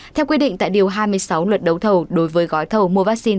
theo quy định tại điều hai mươi sáu luật đấu thầu đối với gói thầu mua vaccine